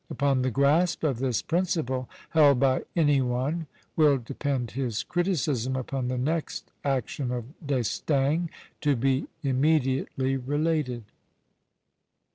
Upon the grasp of this principle held by any one will depend his criticism upon the next action of D'Estaing, to be immediately related.